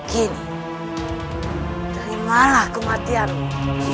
kini terimalah kematianmu